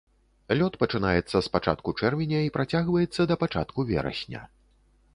Лёт пачынаецца з пачатку чэрвеня і працягваецца да пачатку верасня.